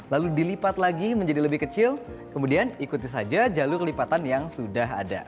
lalu dilipat lagi menjadi lebih kecil kemudian ikuti saja jalur lipatan yang sudah ada